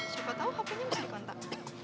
siapa tau hpnya masih dikontak